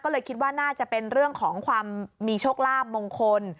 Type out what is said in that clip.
ก็เลยคิดว่าน่าจะเป็นเรื่องของความมีโชคลาภมงคล